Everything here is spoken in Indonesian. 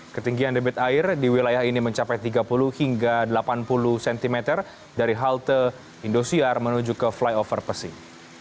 ketinggian debit air di wilayah ini mencapai tiga puluh hingga delapan puluh cm dari halte indosiar menuju ke flyover pesing